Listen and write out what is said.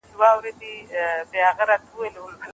نیکه له پلاره ورکي لاري په میراث راوړي